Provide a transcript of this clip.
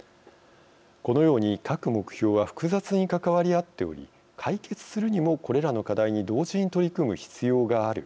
このように各目標は複雑に関わり合っており解決するにもこれらの課題に同時に取り組む必要がある。